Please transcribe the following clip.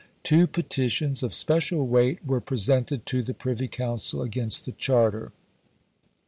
Two petitions, of special weight, were presented to the Privy Council against the Charter.